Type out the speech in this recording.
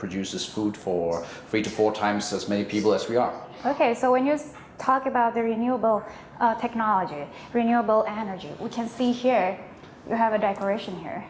oke jadi ketika anda membicarakan teknologi terbaru energi terbaru kita bisa melihat di sini